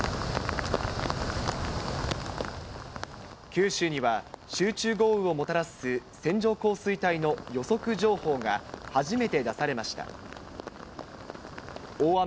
九州には、集中豪雨をもたらす線状降水帯の予測情報が初めて出されました。